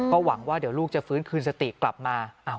ก็หวังว่าเดี๋ยวลูกจะฟื้นคืนสติกลับมา